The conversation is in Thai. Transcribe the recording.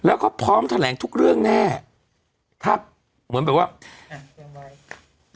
แล้วก็พร้อมแถลงทุกเรื่องแน่ครับเหมือนแบบว่าแตงโม